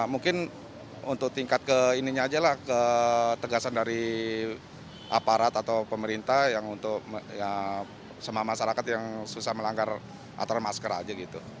mungkin untuk tingkat ke tegasan dari aparat atau pemerintah yang untuk semua masyarakat yang susah melanggar aturan masker aja gitu